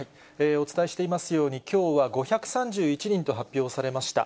お伝えしていますように、きょうは５３１人と発表されました。